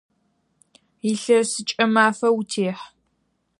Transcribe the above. Илъэсыкӏэ мафэ утехь!